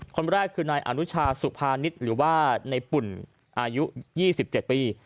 คนแรกคือนายอนุชาสุภานิษฐ์หรือว่าในปุ่นอายุ๒๗ปี